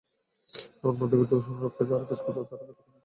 নদ-নদীর দূষণ রক্ষায় যারা কাজ করত, তারা কার্যকর কিছু করতে পারেনি।